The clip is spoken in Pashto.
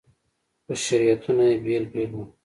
خو شریعتونه یې بېل بېل وو.